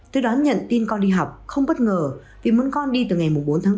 tôi đón nhận tin con đi học không bất ngờ vì muốn con đi từ ngày bốn tháng bốn